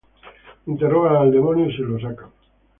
Interrogan al demonio y se lo sacan.